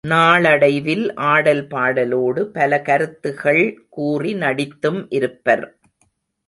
நாளடைவில் ஆடல் பாடலோடு பல கருத்துகள் கூறி நடித்தும் இருப்பர்.